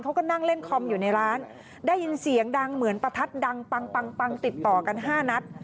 เขาก็นั่งเล่นคอมอยู่ในร้านได้ยินเสียงดังเหมือนประทัดดังปังปังปังติดต่อกัน๕นัด